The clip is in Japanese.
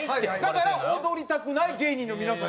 だから踊りたくない芸人の皆さん。